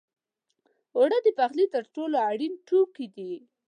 اوړه د پخلي تر ټولو اړین توکي دي